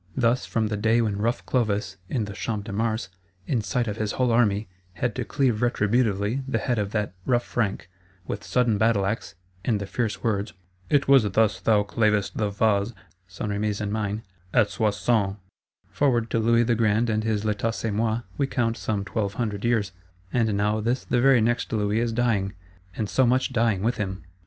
Thus from the day when rough Clovis, in the Champ de Mars, in sight of his whole army, had to cleave retributively the head of that rough Frank, with sudden battleaxe, and the fierce words, 'It was thus thou clavest the vase' (St. Remi's and mine) 'at Soissons,' forward to Louis the Grand and his L'Etat c'est moi, we count some twelve hundred years: and now this the very next Louis is dying, and so much dying with him!